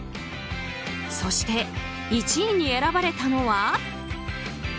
そして、１位に選ばれたのは。